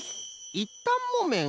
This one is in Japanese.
いったんもめん？